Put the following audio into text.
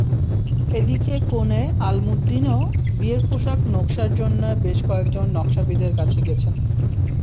এদিকে কনে আলমুদ্দিনও বিয়ের পোশাক নকশার জন্য বেশ কয়েকজন নকশাবিদের কাছে গেছেন।